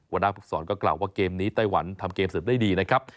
หัวหน้าภูมิสอนก็กล่าวว่าเกมนี้ไต้หวันทำเกมเสริมได้ดีนะครับ